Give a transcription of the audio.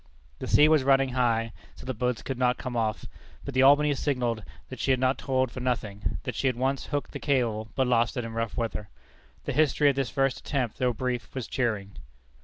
The sea was running high, so that boats could not come off, but the Albany signalled that she had not toiled for nothing; that she had once hooked the cable, but lost it in rough weather. The history of this first attempt, though brief, was cheering.